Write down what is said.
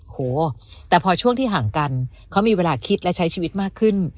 โหแต่พอช่วงที่ห่างกันเขามีเวลาคิดและใช้ชีวิตมากขึ้น